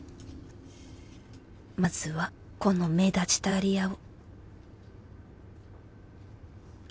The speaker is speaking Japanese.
まずはこの目立ちたがり屋を